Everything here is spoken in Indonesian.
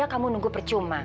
bisa kamu nunggu percuma